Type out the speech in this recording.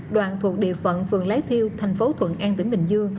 đoàn thuộc địa phận phường lái thiêu tp thuận an tỉnh bình dương